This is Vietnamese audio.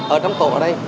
ở trong tổ ở đây